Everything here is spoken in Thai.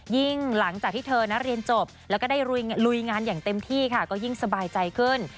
หลังจากที่เธอเรียนจบแล้วก็ได้ลุยงานอย่างเต็มที่ค่ะก็ยิ่งสบายใจขึ้น